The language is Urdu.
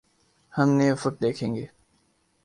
ہم نئے افق دیکھیں گے۔